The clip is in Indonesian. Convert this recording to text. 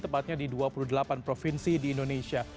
tepatnya di dua puluh delapan provinsi di indonesia